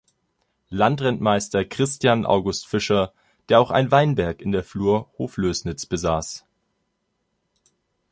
Landrentmeister Christian August Fischer, der auch ein Weinberg in der Flur Hoflößnitz besaß.